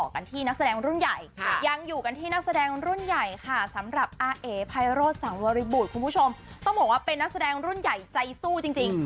คุณผู้ชมต้องบอกว่าเป็นนักแสดงรุ่นใหญ่ใจสู้จริง